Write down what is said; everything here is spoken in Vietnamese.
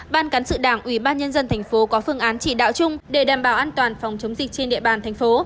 ban cán sự đảng ủy ban nhân dân thành phố có phương án chỉ đạo chung để đảm bảo an toàn phòng chống dịch trên địa bàn thành phố